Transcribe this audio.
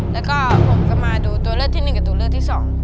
แล้วก็ผมก็มาดูตัวเลือกที่๑กับตัวเลือกที่๒